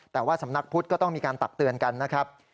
แต่ว่าสำนักพุทธก็ต้องมีการตักเตือนกันนะครับ